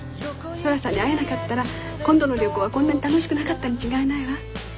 寅さんに会えなかったら今度の旅行はこんなに楽しくなかったに違いないわ。